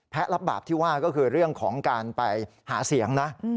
รับบาปที่ว่าก็คือเรื่องของการไปหาเสียงนะ